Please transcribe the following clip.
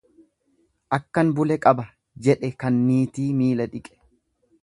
Akkan bule qaba jedlhe kan niitii miila dhiqe.